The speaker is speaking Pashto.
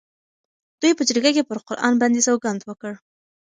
دوی په جرګه کې پر قرآن باندې سوګند وکړ.